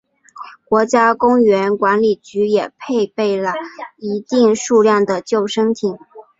国家公园管理局也配备了一定数量的救生艇。